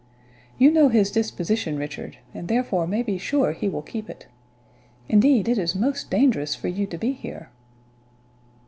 You know his disposition, Richard, and therefore may be sure he will keep it. Indeed, it is most dangerous for you to be here."